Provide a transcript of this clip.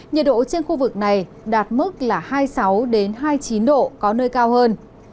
nhiệt độ trên khu vực này đạt mức là hai mươi sáu hai mươi chín độ có nơi cao hơn